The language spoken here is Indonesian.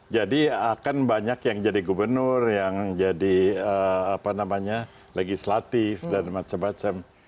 jadi akan banyak yang jadi gubernur yang jadi legislatif dan macam macam